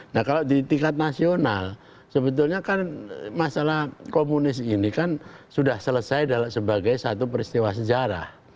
nah kalau di tingkat nasional sebetulnya kan masalah komunis ini kan sudah selesai sebagai satu peristiwa sejarah